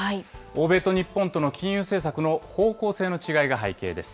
欧米と日本との金融政策の方向性の違いが背景です。